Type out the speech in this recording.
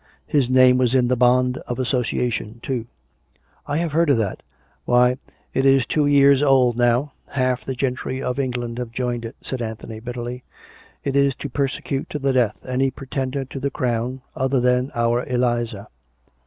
His name was in the ' Bond of Association,' too !"" I have heard of that." " Why, it is two years old now. Half the gentry of England have joined it," said Anthony bitterly. " It is to persecute to the death any pretender to the Crown other than our Eliza."